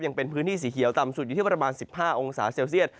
ยังเป็นพื้นที่สีเขียวต่ำสุดอยู่ที่ประมาณ๑๕องศาเซลเซียต